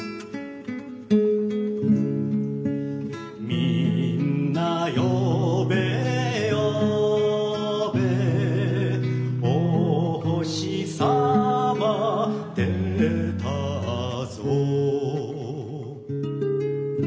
「みんな呼べ呼べ」「お星さま出たぞ」